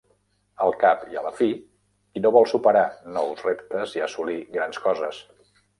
Al cap i a la fi, qui no vol superar nous reptes i assolir grans coses.